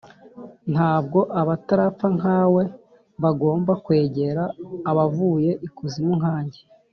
ntabwo abatarapfa nka we bagomba kwegera abavuye ikuzimu nka nge